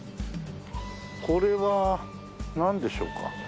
これはなんでしょうか？